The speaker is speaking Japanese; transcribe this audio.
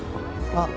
あっ。